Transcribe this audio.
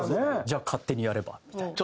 じゃあ勝手にやればみたいな。